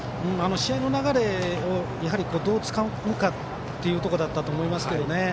試合の流れをどうつかむかというところだったと思いますけどね。